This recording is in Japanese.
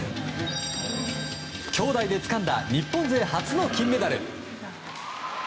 姉弟でつかんだ日本勢初の金メダル！